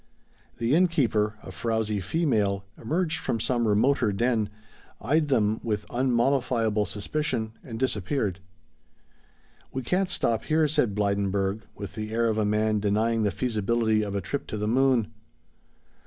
The inn keeper, a frowsy female, emerged from some remoter den, eyed them with unmollifiable suspicion and disappeared. "We can't stop here," said Blydenburg with the air of a man denying the feasibility of a trip to the moon.